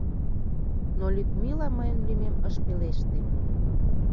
Но Людмила мыйын лӱмем ыш пелеште.